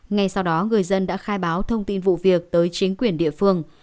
ngay sau đó người dân đã khai báo thông tin vụ việc tới chính quyền địa phương